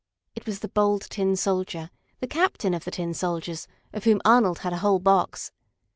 It was the Bold Tin Soldier the Captain of the Tin Soldiers, of whom Arnold had a whole box.